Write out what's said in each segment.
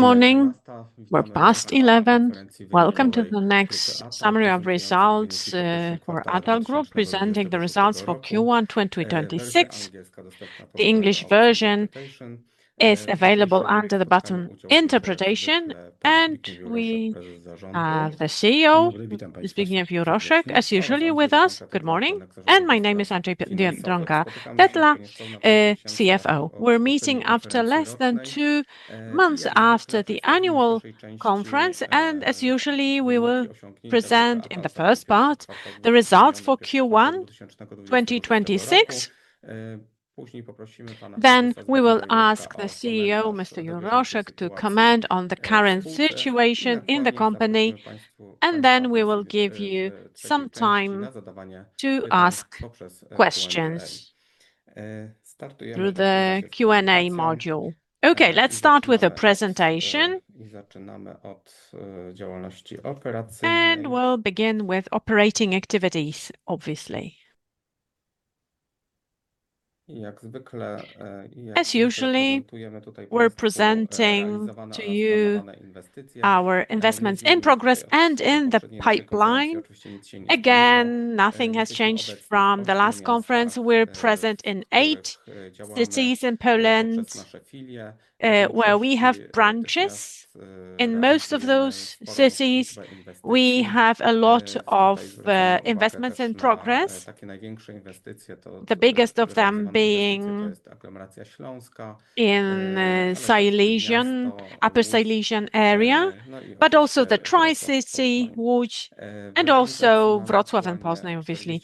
Good morning. We're past 11:00 A.M. Welcome to the next summary of results for Atal Group, presenting the results for Q1 2026. The English version is available under the button Interpretation, the CEO, Zbigniew Juroszek, as usually with us. Good morning. My name is Agnieszka Dziadkowiec-Becla, CFO. We're meeting after less than two months after the annual conference, as usually, we will present in the first part the results for Q1 2026. We will ask the CEO, Mr. Juroszek, to comment on the current situation in the company, we will give you some time to ask questions through the Q&A module. Okay, let's start with the presentation. We'll begin with operating activities, obviously. As usually, we're presenting to you our investments in progress and in the pipeline. Again, nothing has changed from the last conference. We're present in eight cities in Poland, where we have branches. In most of those cities, we have a lot of investments in progress. The biggest of them being in Upper Silesian area, but also the Tri-City, Łódź, and also Wrocław and Poznań, obviously.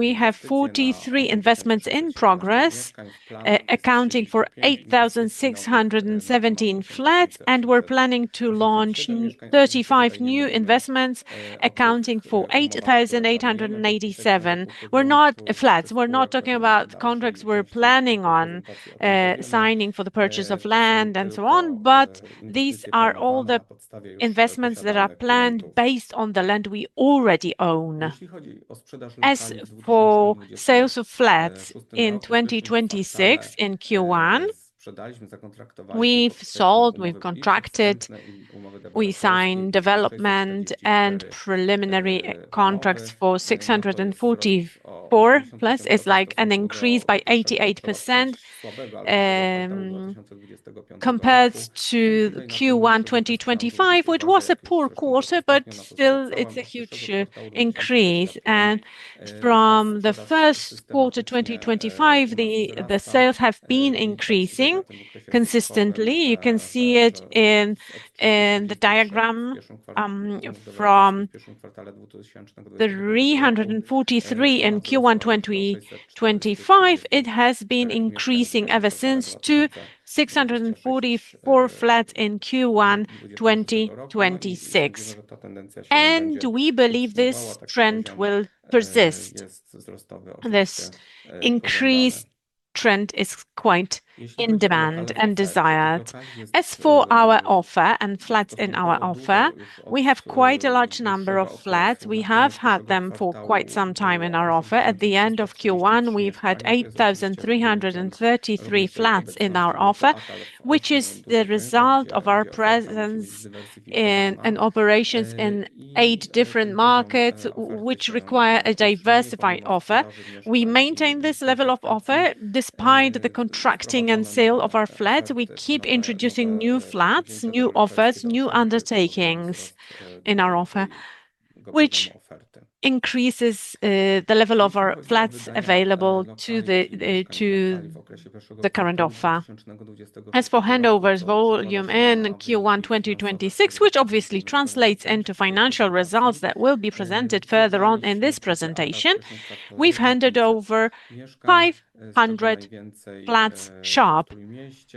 We have 43 investments in progress, accounting for 8,617 flats, and we're planning to launch 35 new investments accounting for 8,887 flats. We're not talking about contracts we're planning on signing for the purchase of land and so on, but these are all the investments that are planned based on the land we already own. As for sales of flats in 2026, in Q1, we've sold, we've contracted, we signed development and preliminary contracts for 644 flats. It's an increase by 88% compared to Q1 2025, which was a poor quarter, but still it's a huge increase. From the first quarter 2025, the sales have been increasing consistently. You can see it in the diagram, from 343 in Q1 2025, it has been increasing ever since to 644 flats in Q1 2026. We believe this trend will persist. This increased trend is quite in demand and desired. As for our offer and flats in our offer, we have quite a large number of flats. We have had them for quite some time in our offer. At the end of Q1, we've had 8,333 flats in our offer, which is the result of our presence and operations in eight different markets, which require a diversified offer. We maintain this level of offer despite the contracting and sale of our flats. We keep introducing new flats, new offers, new undertakings in our offer, which increases the level of our flats available to the current offer. As for handovers volume in Q1 2026, which obviously translates into financial results that will be presented further on in this presentation, we've handed over 500 flats sharp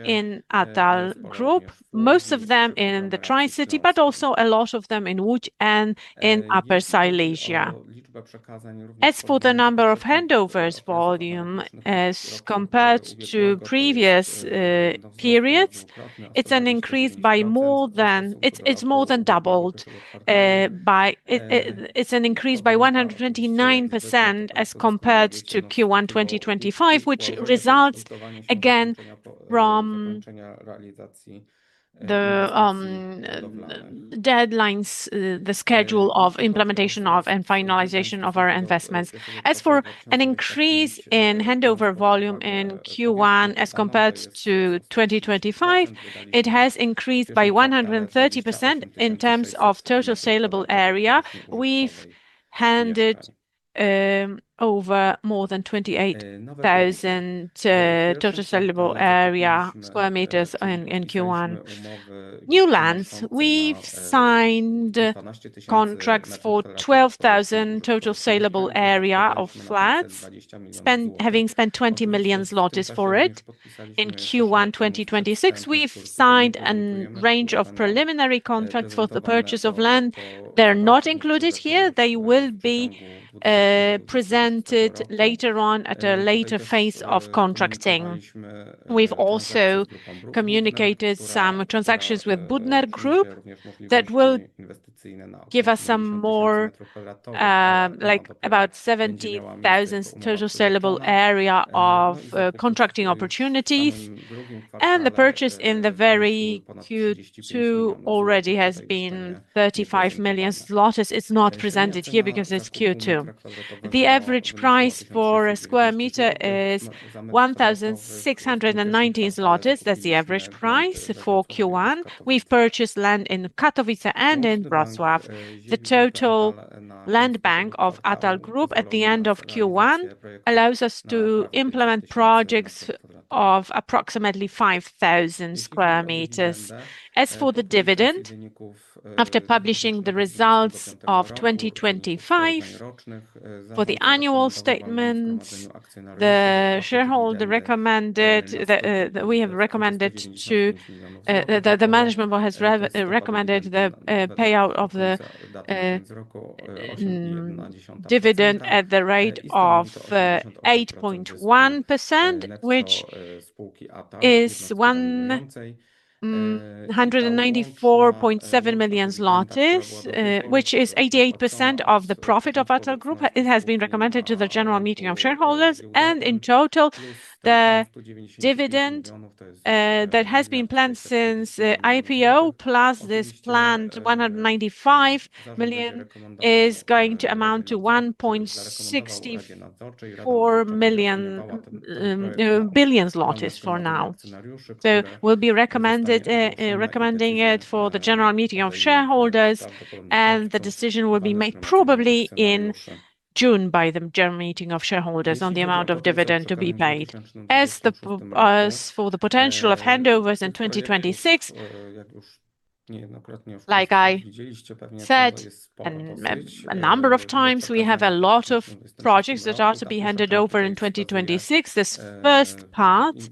in Atal Group, most of them in the Tri-City, but also a lot of them in Łódź and in Upper Silesia. As for the number of handovers volume as compared to previous periods, it's more than doubled. It's an increase by 129% as compared to Q1 2025, which results again from the schedule of implementation of and finalization of our investments. As for an increase in handover volume in Q1 as compared to 2025, it has increased by 130% in terms of total saleable area. We've handed over more than 28,000 total saleable area square meters in Q1. New lands. We've signed contracts for 12,000 total saleable area of flats, having spent 20 million zlotys for it. In Q1 2026, we've signed a range of preliminary contracts for the purchase of land. They're not included here. They will be presented later on at a later phase of contracting. We've also communicated some transactions with Budner Group that will give us about 17,000 total saleable area of contracting opportunity. The purchase in the very Q2 already has been 35 million zloty. It's not presented here because it's Q2. The average price for a square meter is 1,690 zlotys. That's the average price for Q1. We've purchased land in Katowice and in Wrocław. The total land bank of Atal Group at the end of Q1 allows us to implement projects of approximately 5,000 square meters. For the dividend, after publishing the results of 2025 for the annual statements, the management has recommended the payout of the dividend at the rate of 8.1%, which is 194.7 million zlotys, which is 88% of the profit of Atal Group. It has been recommended to the general meeting of shareholders, in total, the dividend that has been planned since the IPO plus this planned 195 million, is going to amount to 1.64 billion for now. We'll be recommending it for the general meeting of shareholders, the decision will be made probably in June by the general meeting of shareholders on the amount of dividend to be paid. For the potential of handovers in 2026, like I said a number of times, we have a lot of projects that are to be handed over in 2026. This first part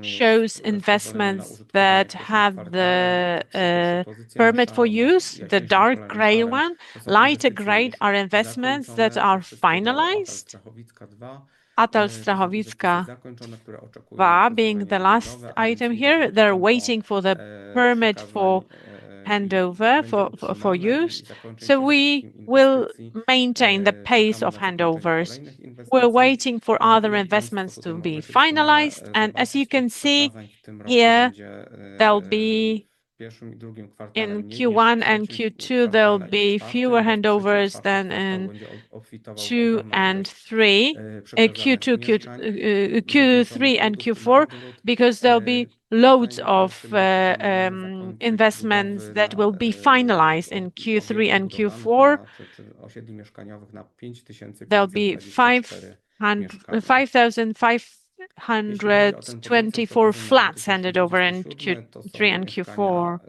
shows investments that have the permit for use, the dark gray one. Lighter gray are investments that are finalized. Atal Strachowicka II being the last item here. They're waiting for the permit for handover for use. We will maintain the pace of handovers. We're waiting for other investments to be finalized, and as you can see here, in Q1 and Q2, there'll be fewer handovers than in Q3 and Q4 because there'll be loads of investments that will be finalized in Q3 and Q4. There'll be 5,524 flats handed over in Q3 and Q4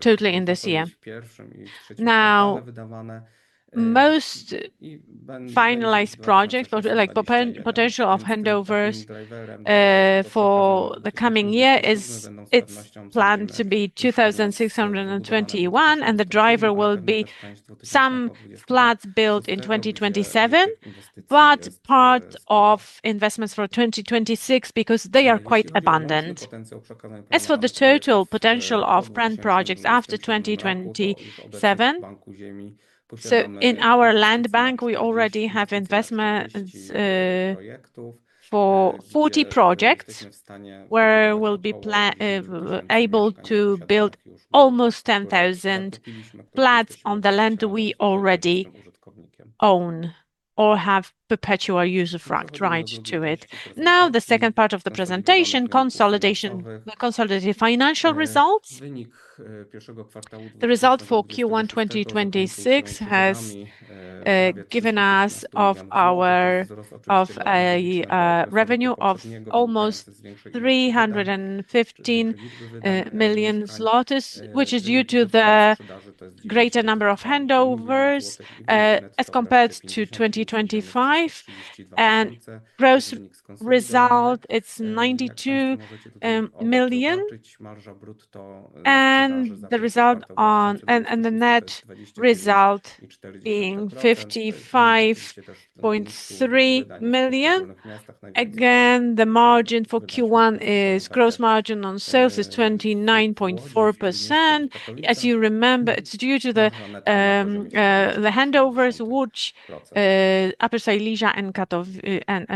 totally in this year. Most finalized project for the potential of handovers for the coming year, it's planned to be 2,621, and the driver will be some flats built in 2027, but part of investments for 2026, because they are quite abundant. For the total potential of planned projects after 2027, in our land bank, we already have investments for 40 projects where we'll be able to build almost 10,000 flats on the land we already own or have perpetual usufruct right to it. The second part of the presentation, consolidated financial results. The result for Q1 2026 has given us a revenue of almost 315 million zlotys, which is due to the greater number of handovers as compared to 2025. Gross result, it's 92 million, the net result being 55.3 million. The margin for Q1 is gross margin on sales is 29.4%. You remember, it's due to the handovers, Upper Silesia and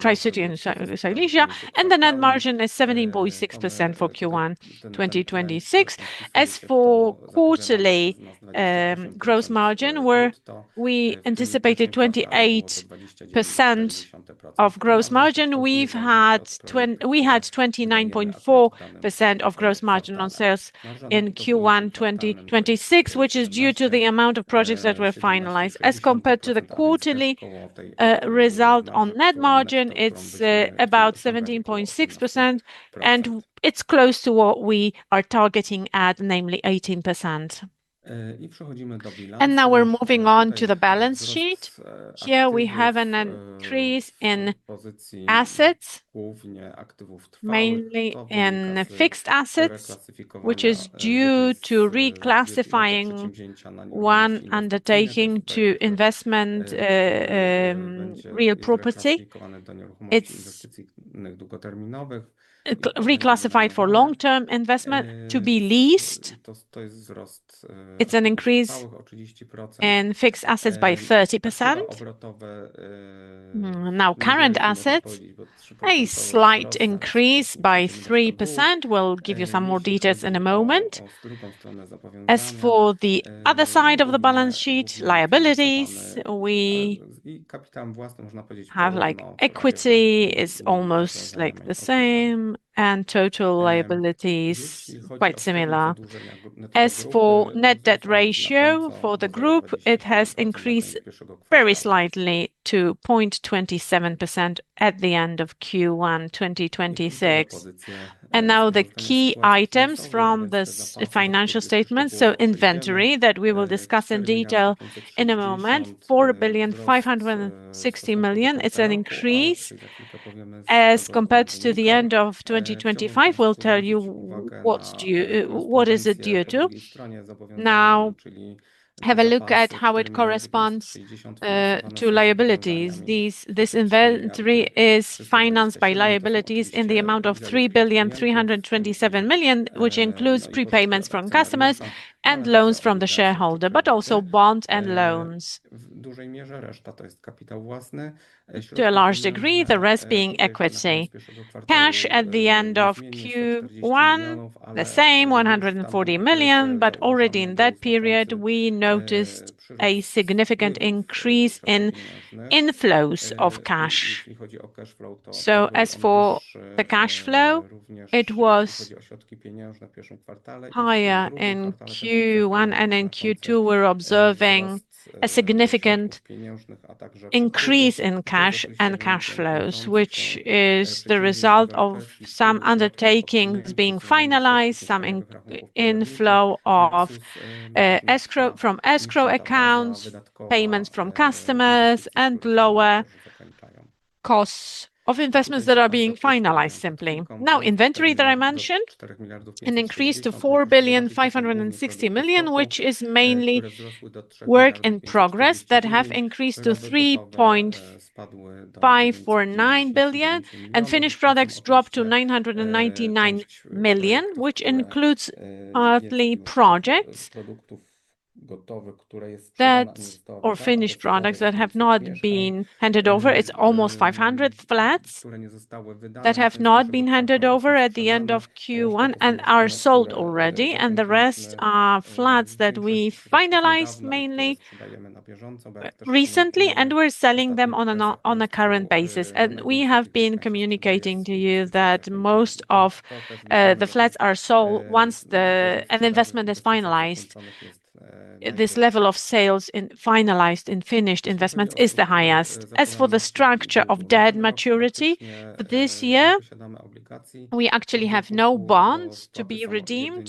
Tri-City in Silesia. The net margin is 17.6% for Q1 2026. As for quarterly gross margin, where we anticipated 28% of gross margin, we've had 29.4% of gross margin on sales in Q1 2026, which is due to the amount of projects that were finalized. As compared to the quarterly result on net margin, it's about 17.6%, and it's close to what we are targeting at, namely 18%. Now we're moving on to the balance sheet. Here we have an increase in assets, mainly in fixed assets, which is due to reclassifying one undertaking to investment real property. It's reclassified for long-term investment to be leased. It's an increase in fixed assets by 30%. Now current assets, a slight increase by 3%. We'll give you some more details in a moment. As for the other side of the balance sheet, liabilities, we have equity is almost the same, and total liabilities, quite similar. Net debt ratio for the group, it has increased very slightly to 0.27% at the end of Q1 2026. The key items from this financial statement. Inventory, that we will discuss in detail in a moment, 4 billion 560 million. It's an increase as compared to the end of 2025. We'll tell you what is it due to? Have a look at how it corresponds to liabilities. This inventory is financed by liabilities in the amount of 3 billion 327 million, which includes prepayments from customers and loans from the shareholder, also bonds and loans. To a large degree, the rest being equity. Cash at the end of Q1, the same 140 million, already in that period, we noticed a significant increase in inflows of cash. As for the cash flow, it was higher in Q1, and in Q2, we are observing a significant increase in cash and cash flows, which is the result of some undertakings being finalized, some inflow from escrow accounts, payments from customers, and lower costs of investments that are being finalized simply. Inventory that I mentioned, an increase to 4.56 billion, which is mainly work in progress that has increased to 3.549 billion, and finished products dropped to 999 million, which includes partly projects or finished products that have not been handed over. It is almost 500 flats that have not been handed over at the end of Q1 and are sold already. The rest are flats that we finalized mainly recently, and we are selling them on a current basis. We have been communicating to you that most of the flats are sold once an investment is finalized. This level of sales in finalized and finished investments is the highest. As for the structure of debt maturity, this year we actually have no bonds to be redeemed.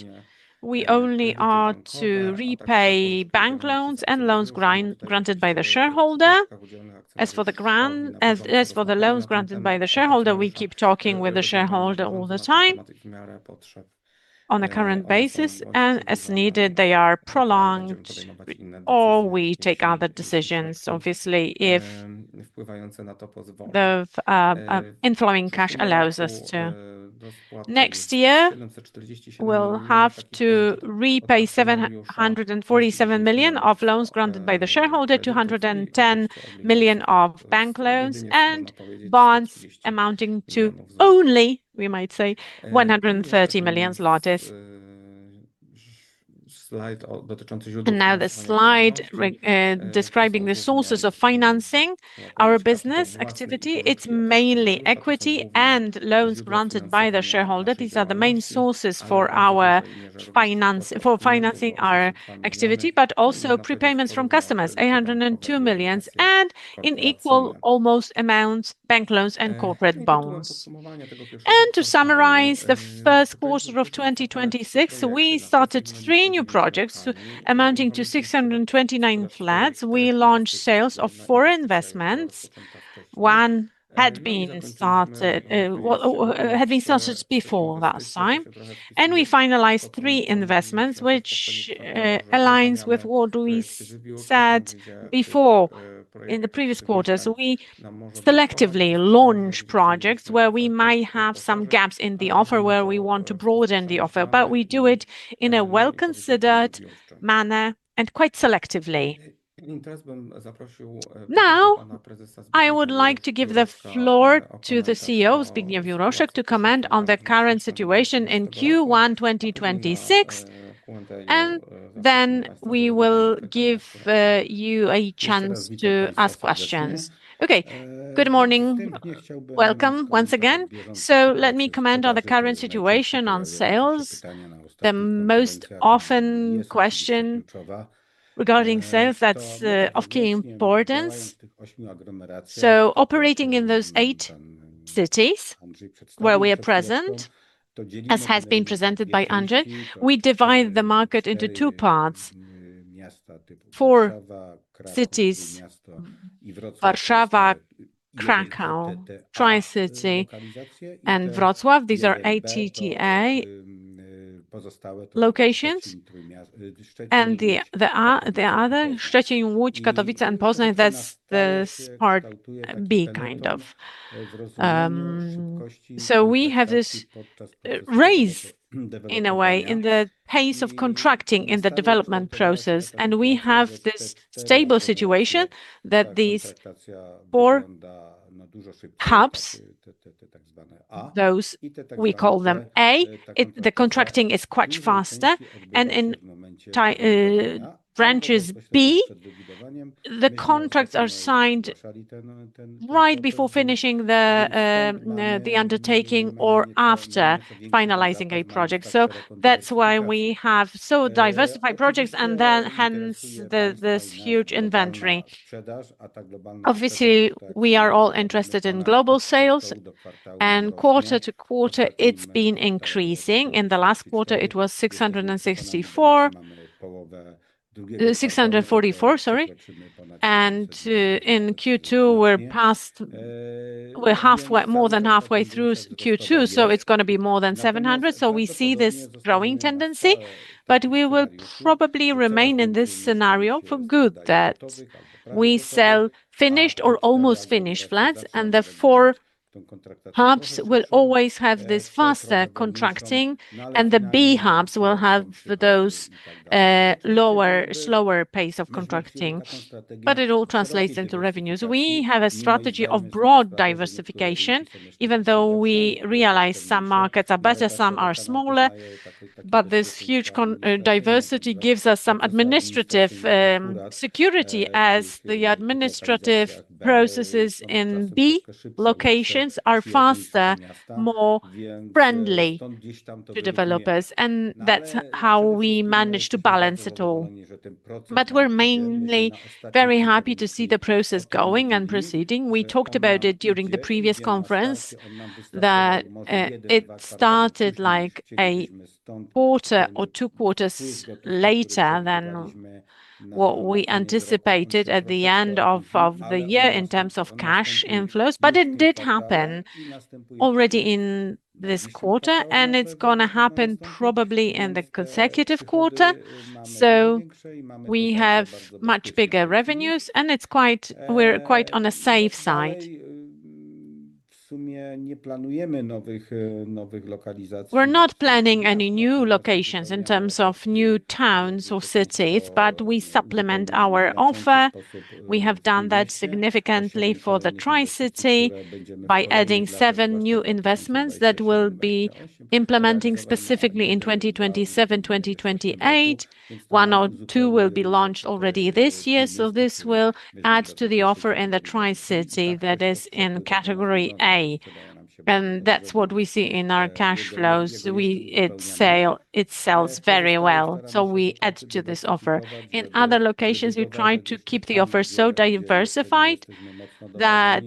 We only are to repay bank loans and loans granted by the shareholder. As for the loans granted by the shareholder, we keep talking with the shareholder all the time on a current basis, and as needed, they are prolonged, or we take other decisions, obviously, if the inflow in cash allows us to. Next year, we'll have to repay 747 million of loans granted by the shareholder, 210 million of bank loans, and bonds amounting to only, we might say, 130 million zlotys. Now the slide describing the sources of financing our business activity. It's mainly equity and loans granted by the shareholder. These are the main sources for financing our activity, but also prepayments from customers, 802 million, and in equal almost amount, bank loans and corporate bonds. To summarize the first quarter of 2026, we started three new projects amounting to 629 flats. We launched sales of four investments. one had been started before that time. We finalized three investments, which aligns with what Luis said before in the previous quarters. We selectively launch projects where we may have some gaps in the offer, where we want to broaden the offer, but we do it in a well-considered manner and quite selectively. Now, I would like to give the floor to the CEO, Zbigniew Juroszek, to comment on the current situation in Q1 2026, and then we will give you a chance to ask questions. Okay. Good morning. Welcome once again. Let me comment on the current situation on sales, the most often question regarding sales that's of key importance. Operating in those eight cities where we are present, as has been presented by Andrzej, we divide the market into two parts, four cities, Warszawa, Kraków, Tri-City, and Wrocław. These are ATTA locations. The other, Szczecin, Łódź, Katowice, and Poznań, that's part B. We have this race, in a way, in the pace of contracting in the development process, and we have this stable situation that these four hubs, those we call them A, the contracting is quite faster. In branches B, the contracts are signed right before finishing the undertaking or after finalizing a project. That's why we have so diversified projects and then hence this huge inventory. Obviously, we are all interested in global sales, quarter-to-quarter, it's been increasing. In the last quarter, it was 644, and in Q2, we're more than halfway through Q2, so it's going to be more than 700. We see this growing tendency, but we will probably remain in this scenario for good that we sell finished or almost finished flats, and the four hubs will always have this faster contracting and the B hubs will have those lower, slower pace of contracting. It all translates into revenues. We had a strategy of broad diversification, even though we realized some markets are better, some are smaller, but this huge diversity gives us some administrative security as the administrative processes in B locations are faster, more friendly to developers, and that's how we manage to balance it all. We're mainly very happy to see the process going and proceeding. We talked about it during the previous conference, that it started like a quarter or two quarters later than what we anticipated at the end of the year in terms of cash inflows. It did happen already in this quarter, and it's going to happen probably in the consecutive quarter. We have much bigger revenues, and we're quite on the safe side. We're not planning any new locations in terms of new towns or cities, but we supplement our offer. We have done that significantly for the Tri-City by adding seven new investments that we'll be implementing specifically in 2027, 2028. One or two will be launched already this year, so this will add to the offer in the Tri-City that is in category A. That's what we see in our cash flows. It sells very well, we add to this offer. In other locations, we try to keep the offer so diversified that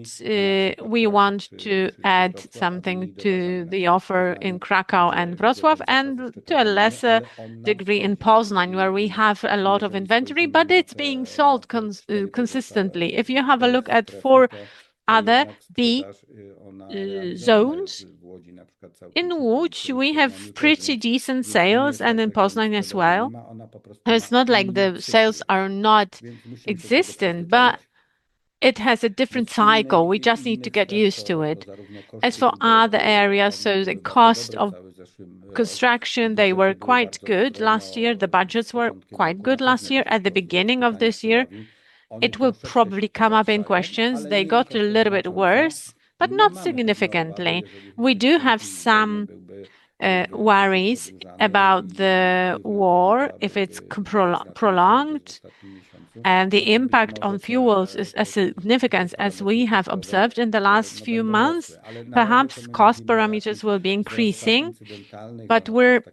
we want to add something to the offer in Kraków and Wrocław, and to a lesser degree in Poznań, where we have a lot of inventory, but it's being sold consistently. If you have a look at four other B zones, in Łódź we have pretty decent sales and in Poznań as well. It's not like the sales are not existent, it has a different cycle. We just need to get used to it. As for other areas, the cost of construction, they were quite good last year. The budgets were quite good last year. At the beginning of this year, it will probably come up in questions. They got a little bit worse, not significantly. We do have some worries about the war, if it's prolonged, and the impact on fuels is as significant as we have observed in the last few months. Perhaps cost parameters will be increasing, we're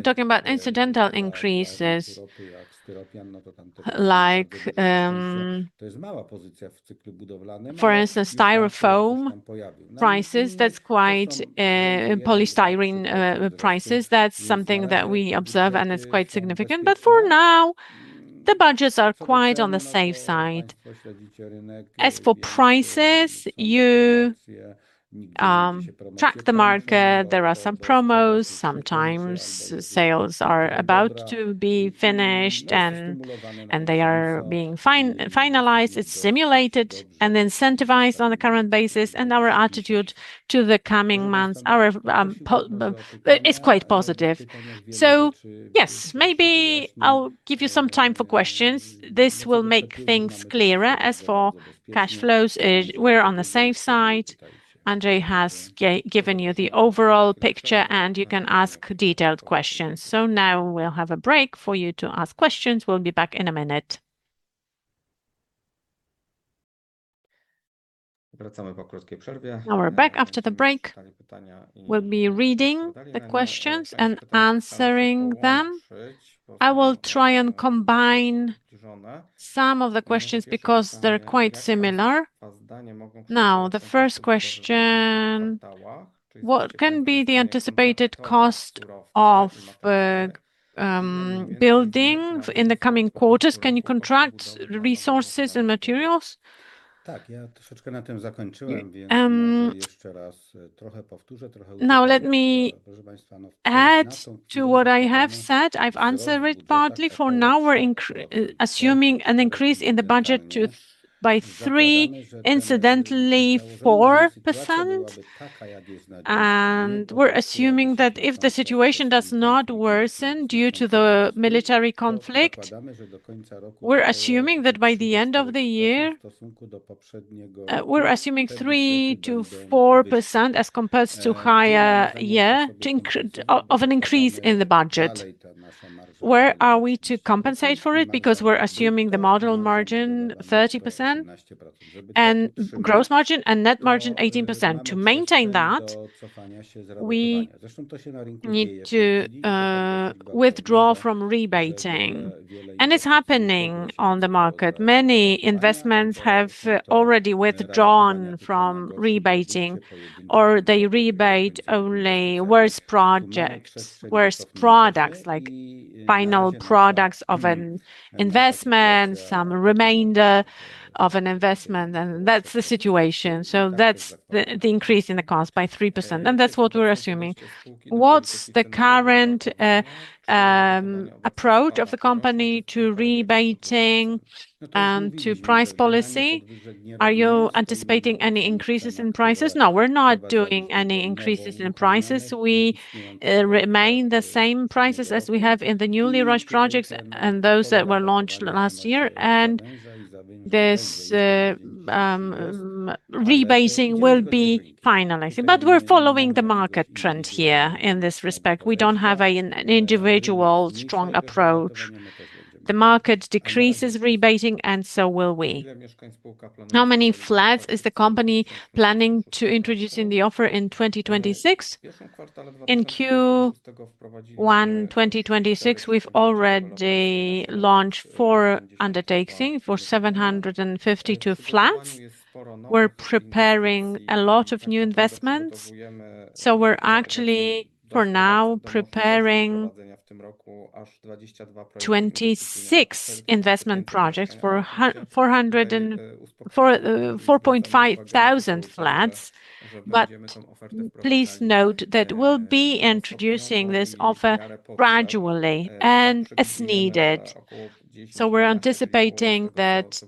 talking about incidental increases, like, for instance, polystyrene prices. That's something that we observe, it's quite significant. For now, the budgets are quite on the safe side. As for prices, you track the market. There are some promos. Sometimes sales are about to be finished, they are being finalized. It's simulated and incentivized on a current basis, our attitude to the coming months is quite positive. Yes, maybe I'll give you some time for questions. This will make things clearer. As for cash flows, we're on the safe side. Andrzej has given you the overall picture, you can ask detailed questions. Now we'll have a break for you to ask questions. We'll be back in a minute. Now we're back after the break. We'll be reading the questions and answering them. I will try and combine some of the questions because they're quite similar. The first question, what can be the anticipated cost of building in the coming quarters? Can you contract resources and materials? Let me add to what I have said. I've answered it partly. For now, we're assuming an increase in the budget by 3%, incidentally 4%. We're assuming that if the situation does not worsen due to the military conflict, we're assuming that by the end of the year, we're assuming 3%-4% as compared to higher year of an increase in the budget. Where are we to compensate for it? Because we're assuming the model margin 30%, and gross margin and net margin 18%. To maintain that, we need to withdraw from rebating. It's happening on the market. Many investments have already withdrawn from rebating, or they rebate only worse projects, worse products like final products of an investment, some remainder of an investment. That's the situation. That's the increase in the cost by 3%. That's what we're assuming. What's the current approach of the company to rebating, to price policy? Are you anticipating any increases in prices? No, we're not doing any increases in prices. We remain the same prices as we have in the newly launched projects and those that were launched last year. This rebasing will be finalized. We're following the market trend here in this respect. We don't have an individual strong approach. The market decreases rebating. So will we. How many flats is the company planning to introduce in the offer in 2026? In Q1 2026, we've already launched four undertakings for 752 flats. We're preparing a lot of new investments. We're actually, for now, preparing 26 investment projects for 4,500 flats. Please note that we'll be introducing this offer gradually and as needed. We're anticipating that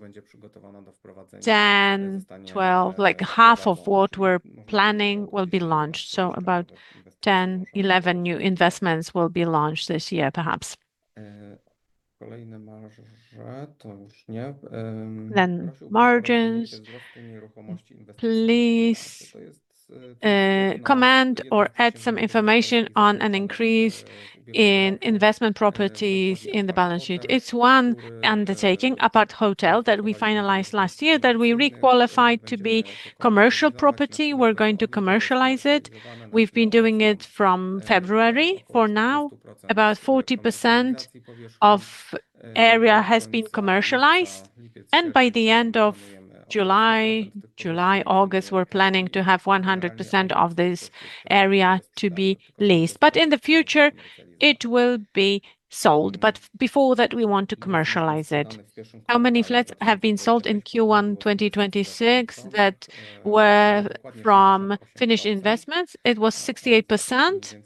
10, 12, half of what we're planning will be launched. About 10, 11 new investments will be launched this year, perhaps. Margins. Please comment or add some information on an increase in investment properties in the balance sheet. It's one undertaking, aparthotel, that we finalized last year that we re-qualified to be commercial property. We're going to commercialize it. We've been doing it from February for now. About 40% of area has been commercialized, and by the end of July, August, we're planning to have 100% of this area to be leased. In the future, it will be sold, but before that, we want to commercialize it. How many flats have been sold in Q1 2026 that were from finished investments? It was 68%.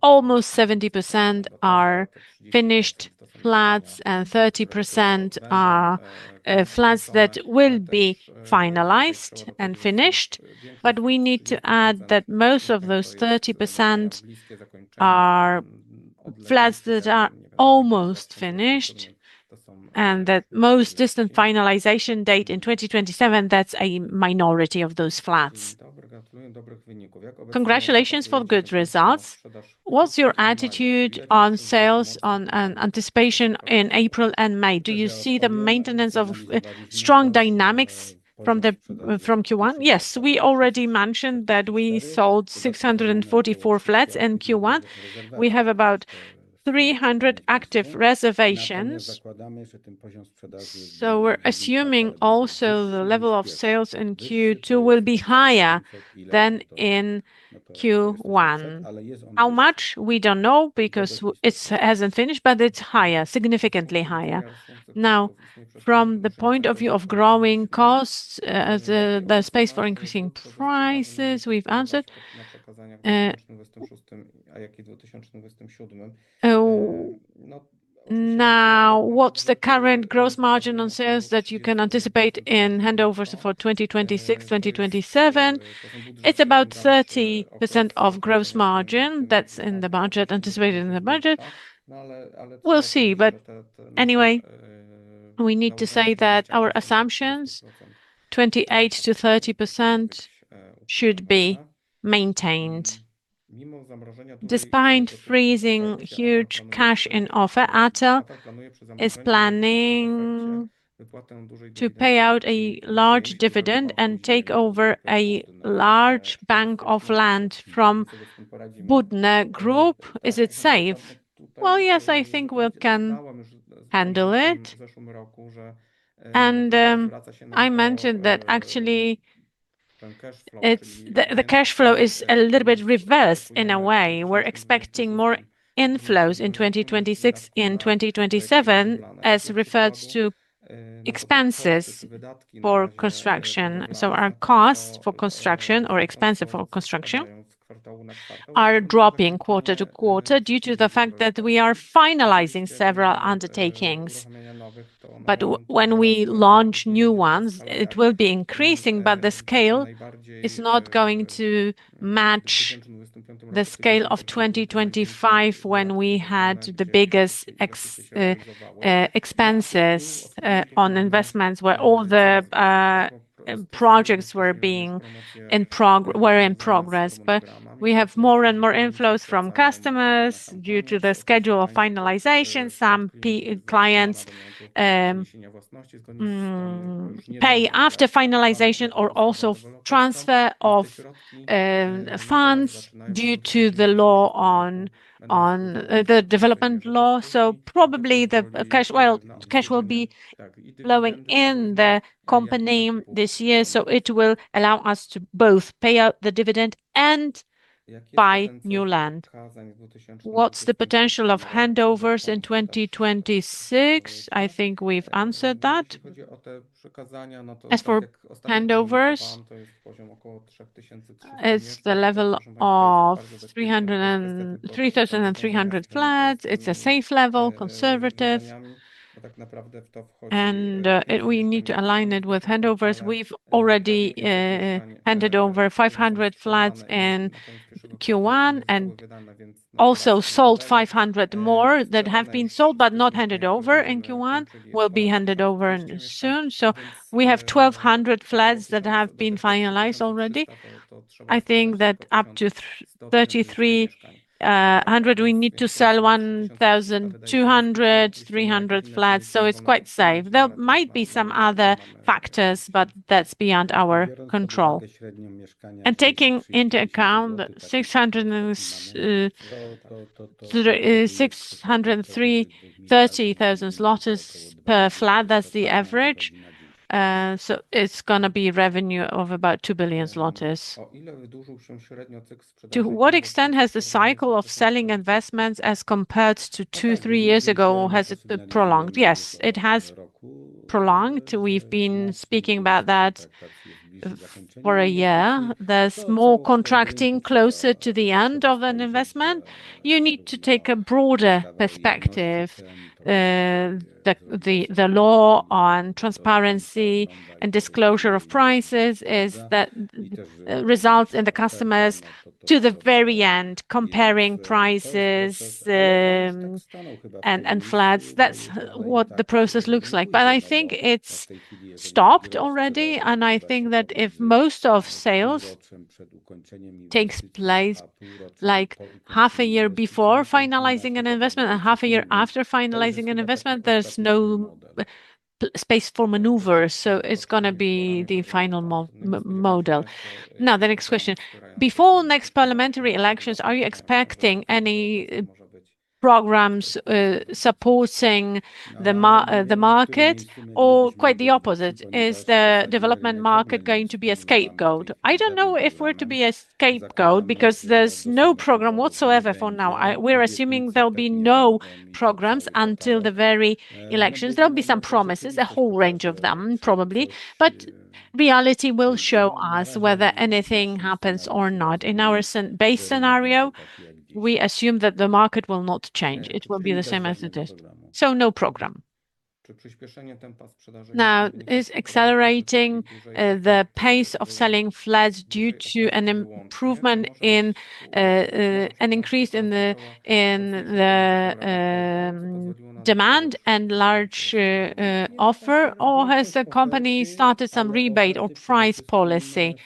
Almost 70% are finished flats and 30% are flats that will be finalized and finished. We need to add that most of those 30% are flats that are almost finished and that most distant finalization date in 2027, that's a minority of those flats. Congratulations for good results. What's your attitude on sales on anticipation in April and May? Do you see the maintenance of strong dynamics from Q1? Yes. We already mentioned that we sold 644 flats in Q1. We have about 300 active reservations. We're assuming also the level of sales in Q2 will be higher than in Q1. How much? We don't know because it hasn't finished, but it's higher, significantly higher. From the point of view of growing costs as the space for increasing prices, we've answered. What's the current gross margin on sales that you can anticipate in handovers for 2026, 2027? It's about 30% of gross margin. That's in the budget, anticipated in the budget. We'll see. We need to say that our assumptions, 28%-30%, should be maintained. Despite freezing huge cash in offer, Atal is planning to pay out a large dividend and take over a large bank of land from Budner Group. Is it safe? Yes, I think we can handle it. I mentioned that actually the cash flow is a little bit reversed in a way. We're expecting more inflows in 2026, in 2027, as referred to expenses for construction. Our costs for construction or expense for construction are dropping quarter-to-quarter due to the fact that we are finalizing several undertakings. But when we launch new ones, it will be increasing, but the scale is not going to match the scale of 2025 when we had the biggest expenses on investments where all the projects were in progress, but we have more and more inflows from customers due to the schedule of finalization. Some clients pay after finalization or also transfer of funds due to the development law. Probably the cash flow, cash will be flowing in the company this year, so it will allow us to both pay out the dividend and buy new land. What's the potential of handovers in 2026? I think we've answered that. As for handovers, it's the level of 3,300 flats. It's a safe level, conservative, and we need to align it with handovers. We've already handed over 500 flats in Q1 and also sold 500 more that have been sold but not handed over in Q1, will be handed over soon. We have 1,200 flats that have been finalized already. I think that up to 3,300, we need to sell 1,200, 300 flats. It's quite safe. There might be some other factors, but that's beyond our control. Taking into account that 630,000 zlotys per flat, that's the average. It's going to be revenue of about 2 billion zlotys. To what extent has the cycle of selling investments as compared to two, three years ago, has it prolonged? Yes, it has prolonged. We've been speaking about that for a year. There's more contracting closer to the end of an investment. You need to take a broader perspective. The law on transparency and disclosure of prices results in the customers to the very end comparing prices, and flats. That's what the process looks like. I think it's stopped already, and I think that if most of sales takes place half a year before finalizing an investment and half a year after finalizing an investment, there's no space for maneuver, so it's going to be the final model. The next question. Before next parliamentary elections? Are you expecting any programs supporting the market, or quite the opposite? Is the development market going to be a scapegoat? I don't know if we're to be a scapegoat because there's no program whatsoever for now. We're assuming there'll be no programs until the very elections. There'll be some promises, a whole range of them, probably. Reality will show us whether anything happens or not. In our base scenario, we assume that the market will not change. It will be the same as it is. No program. Is accelerating the pace of selling flats due to an increase in the demand and large offer, or has the company started some rebate on price policy?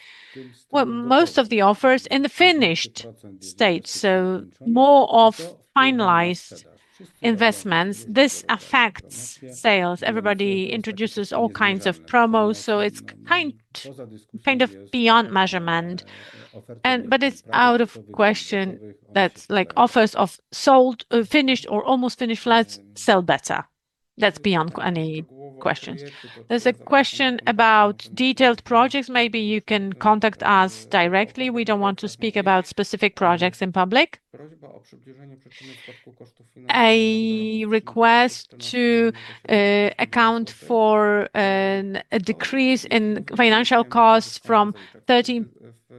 Well, most of the offer is in the finished state, more of finalized investments. This affects sales. Everybody introduces all kinds of promos, it's beyond measurement. It's out of the question that offers of sold, finished, or almost finished flats sell better. That's beyond any question. There's a question about detailed projects. Maybe you can contact us directly. We don't want to speak about specific projects in public. A request to account for a decrease in financial costs from 13.8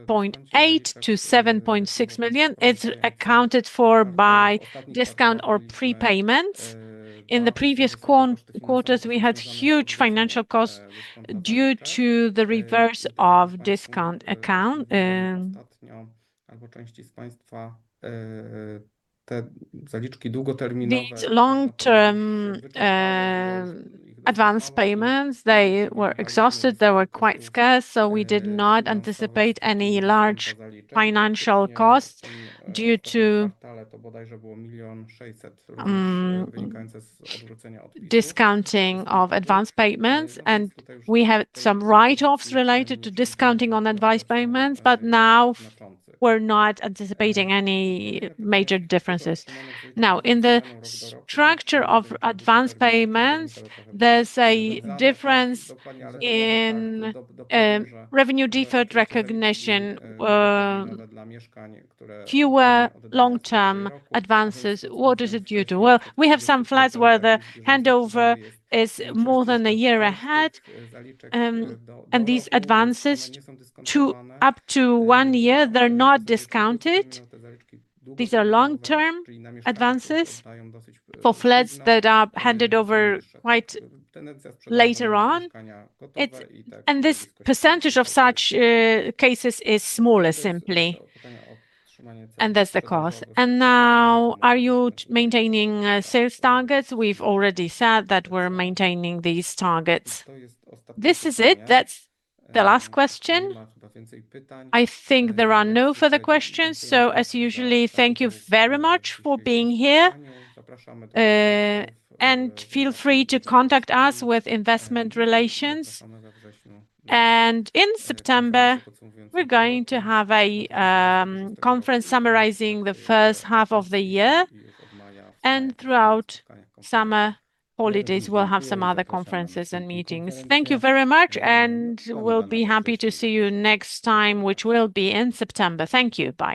million-7.6 million. It's accounted for by discount or prepayments. In the previous quarters, we had huge financial costs due to the reverse of discount account. These long-term advance payments, they were exhausted. They were quite scarce, we did not anticipate any large financial cost due to discounting of advance payments. We had some write-offs related to discounting on advance payments, now we're not anticipating any major differences. Now, in the structure of advance payments, there's a difference in revenue deferred recognition, fewer long-term advances. What is it due to? Well, we have some flats where the handover is more than a year ahead, these advances to up to one year, they're not discounted. These are long-term advances for flats that are handed over quite later on. This percentage of such cases is smaller simply, and that's the cause. Now, are you maintaining sales targets? We've already said that we're maintaining these targets. This is it. That's the last question. I think there are no further questions. As usually, thank you very much for being here, and feel free to contact us with investment relations. In September, we're going to have a conference summarizing the first half of the year, and throughout summer holidays, we'll have some other conferences and meetings. Thank you very much, and we'll be happy to see you next time, which will be in September. Thank you. Bye.